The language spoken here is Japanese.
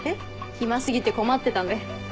暇過ぎて困ってたんで。